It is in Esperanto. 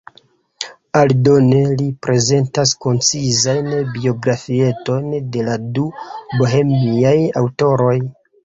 Aldone, li prezentas koncizajn biografietojn de la du bohemiaj aŭtoroj.